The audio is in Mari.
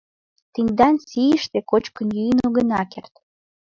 Тендан сийыште кочкын-йӱын огына керт.